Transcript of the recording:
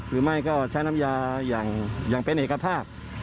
หรือไม่ก็ใช้น้ำยาอย่างเป็นเอกภาพ